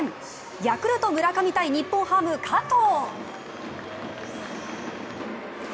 ヤクルト・村上対日本ハム・加藤。